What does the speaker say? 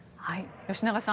吉永さん